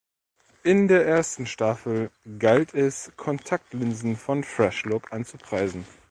In der ersten Staffel galt es, Kontaktlinsen von Fresh Look anzupreisen.